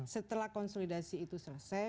setelah konsolidasi itu selesai